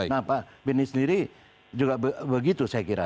nah pak beni sendiri juga begitu saya kira